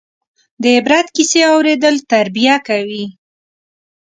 د عبرت کیسې اورېدل تربیه کوي.